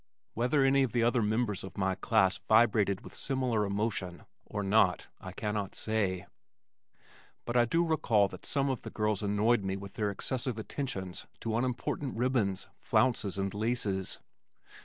Whether any of the other members of my class vibrated with similar emotion or not I cannot say, but I do recall that some of the girls annoyed me by their excessive attentions to unimportant ribbons, flounces, and laces.